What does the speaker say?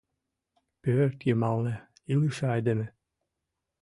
Пӧрт йымалне илыше айдеме.